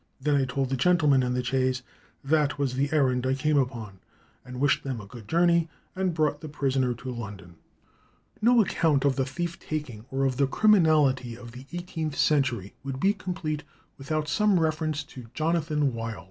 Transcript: Then I told the gentlemen in the chaise that was the errand I came upon, and wished them a good journey, and brought the prisoner to London." No account of the thief taking or of the criminality of the eighteenth century would be complete without some reference to Jonathan Wild.